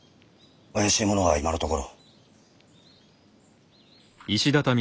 怪しい者は今のところ。